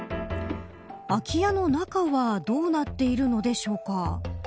空き家の中はどうなっているのでしょうか。